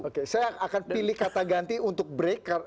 oke saya akan pilih kata ganti untuk break